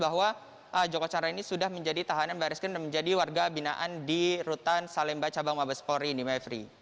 bahwa joko chandra ini sudah menjadi tahanan baris krim dan menjadi warga binaan di rutan salemba cabang mabespori ini mevri